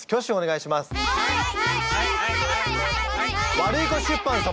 ワルイコ出版様。